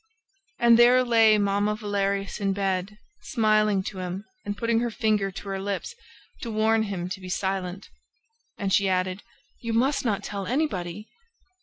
And there lay Mamma Valerius in bed, smiling to him and putting her finger to her lips, to warn him to be silent! And she added: "You must not tell anybody!"